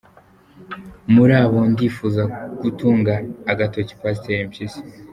Muri abo ndifuza gutunga agatoki Pastor Mpyisi.